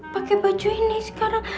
pake baju ini sekarang